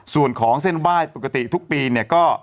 ส่วนของเส้นไหว้ปกติทุกปีเนี่ยก็